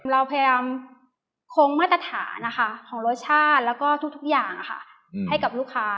เราพยายามคงมาตรฐานนะคะของรสชาติแล้วก็ทุกอย่างให้กับลูกค้า